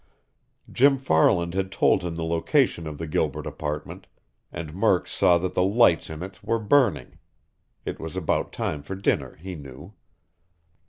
Jim Farland had told him the location of the Gilbert apartment, and Murk saw that the lights in it were burning. It was about time for dinner, he knew.